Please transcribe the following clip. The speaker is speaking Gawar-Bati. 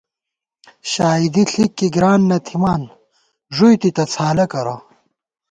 شائیدی ݪِک کی گران نہ تھِمان، ݫُوئی تِتہ څھالہ کرہ